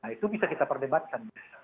itu bisa kita perdebatkan